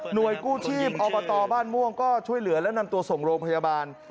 หน่วยกู้ชีพเอาไปต่อบ้านม่วงก็ช่วยเหลือแล้วนำตัวส่งโรคพยาบาล